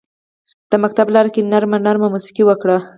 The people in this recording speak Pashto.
د مکتب لارکې نرمه، نرمه موسیقي وکري